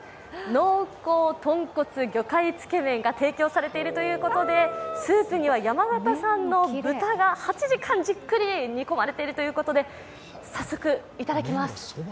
濃厚豚骨魚介つけめんが提供されているということでスープには山形産の豚が８時間じっくり煮込まれているということで早速、いただきます。